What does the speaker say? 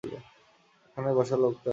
ওখানে বসা লোকটা?